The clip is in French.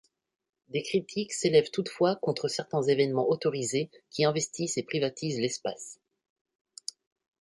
Des critiques s'élèvent toutefois contre certains évènements autorisés qui investissent et privatisent l'espace.